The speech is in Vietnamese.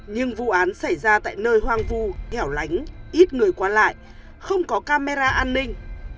nhưng vụ án xảy ra tại nơi hoang vu hẻo lánh ít người qua lại không có camera an ninh